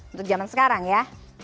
untuk zaman sekarang ya